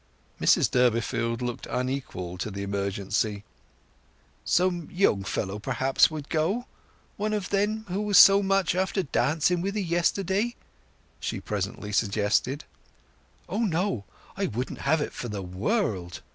Mrs Durbeyfield looked unequal to the emergency. "Some young feller, perhaps, would go? One of them who were so much after dancing with 'ee yesterday," she presently suggested. "O no—I wouldn't have it for the world!"